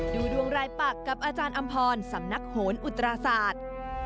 ดูดวงรายปักกับอาจารย์อำพรสำนักโหนอุตราศาสตร์